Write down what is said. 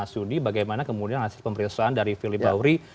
jadi bagaimana kemudian hasil pemelisahan dari firly bahuri